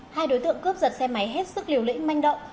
hai đối tượng cướp giật xe máy hết sức liều lĩnh manh động